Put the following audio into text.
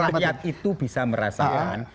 kegiat itu bisa merasakan